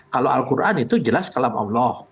kalau al quran itu jelas kalam allah